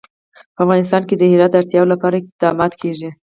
په افغانستان کې د هرات د اړتیاوو لپاره اقدامات کېږي.